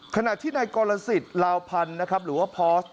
ขณะที่ในกรสิทธิ์ลาวพันธุ์หรือว่าพอร์ส